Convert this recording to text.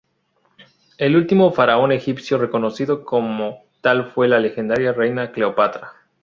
El último faraón egipcio reconocido como tal fue la legendaria reina Cleopatra.